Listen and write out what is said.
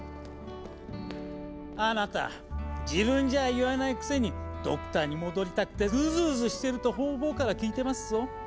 あなた自分じゃ言わないくせにドクターに戻りたくてうずうずしてると方々から聞いてますぞ。